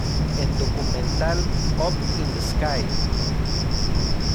En documental "Up in the Sky!